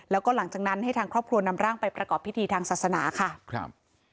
แล้วก็หลังจากนั้นให้ทางครอบครัวนำร่างไปประกอบพิธีทางศาสนาค่ะครับ